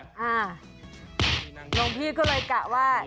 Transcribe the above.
หลวงพี่ก็เลยกะว่า